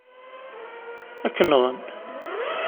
Ad k-nɣeɣ.